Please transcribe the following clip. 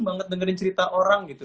banget dengerin cerita orang gitu